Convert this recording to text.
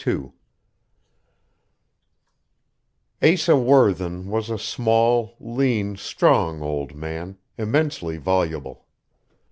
II Asa Worthen was a small, lean, strong old man, immensely voluble.